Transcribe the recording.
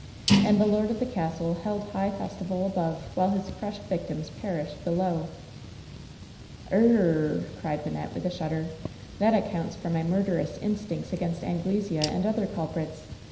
And the lord of the castle held high festival above while his crushed victims perished he^ low.'" "TJr r r ivr r r!" cried Wynnette, with a shudder. "That accounts for my murderous instincts against An glesea and other culprits.